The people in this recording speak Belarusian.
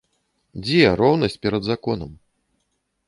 Дзе роўнасць перад законам?